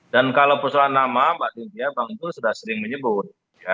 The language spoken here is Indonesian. dan kalau persoalan nama mbak zul sudah sering menyebut